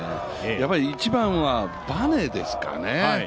やっぱり、１番はバネですかね。